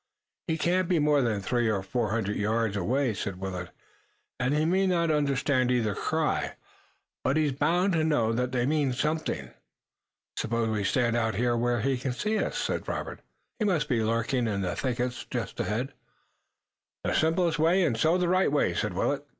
"He can't be more than three or four hundred yards away," said Willet, "and he may not understand either cry, but he's bound to know that they mean something." "Suppose we stand out here where he can see us," said Robert. "He must be lurking in the thickets just ahead." "The simplest way and so the right way," said Willet.